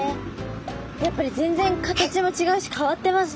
やっぱり全然形も違うし変わってますね。